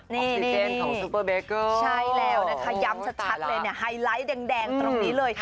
นี่นี่ใช่แล้วนะคะย้ำชัดเลยไฮไลท์แดงตรงนี้เลย